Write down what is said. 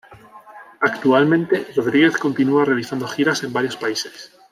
Actualmente Rodríguez continua realizando giras en varios países.